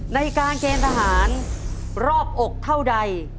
ในการเกณฑ์ทหารรอบอกเท่าใด